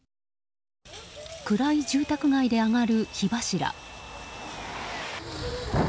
暗い住宅街で上がる火柱。